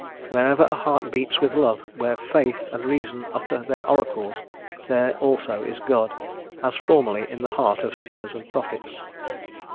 Wherever a heart beats with love, where Faith and Reason utter their oracles, there also is God, as formerly in the heart of seers and prophets."